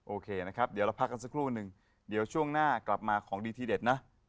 โอเคนะครับเดี๋ยวเราพักกันสักครู่นึงเดี๋ยวช่วงหน้ากลับมาของดีทีเด็ดนะ